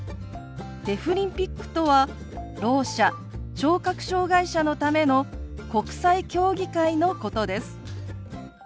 デフリンピックとはろう者聴覚障害者のための国際競技会のことです。